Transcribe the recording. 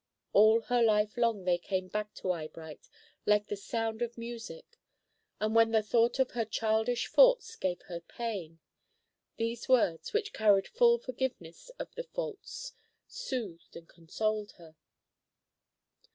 All her life long they came back to Eyebright like the sound of music, and when the thought of her childish faults gave her pain, these words, which carried full forgiveness of the faults, soothed and consoled her.